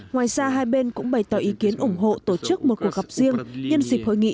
ngoài ra hai bên cũng bày tỏ ý kiến ủng hộ tổ chức một cuộc gặp riêng nhân dịp hội nghị